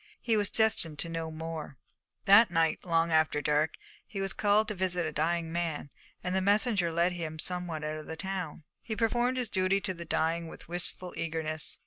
He was destined to know more. That night, long after dark, he was called to visit a dying man, and the messenger led him somewhat out of the town. He performed his duty to the dying with wistful eagerness.